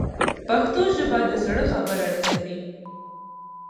پښتو ژبه د زړه خبره رسوي.